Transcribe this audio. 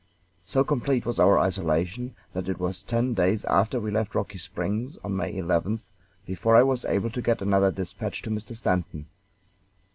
So complete was our isolation that it was ten days after we left Rocky Springs, on May 11th, before I was able to get another dispatch to Mr. Stanton.